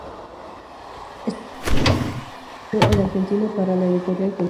Escribe e ilustra la tira de "Cirilo El Argentino" para la Editorial Columba.